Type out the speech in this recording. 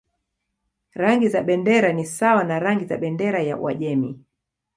Rangi za bendera ni sawa na rangi za bendera ya Uajemi.